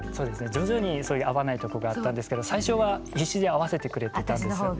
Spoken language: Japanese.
徐々にそういう合わないとこがあったんですけど最初は必死に合わせてくれてたんですよ。